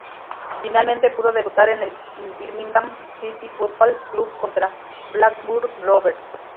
Finalmente pudo debutar en el Birmingham City Football Club contra Blackburn Rovers.